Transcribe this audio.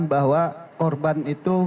bahwa korban itu